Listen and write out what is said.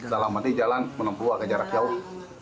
dalam arti jalan menempuh agak jarak jauh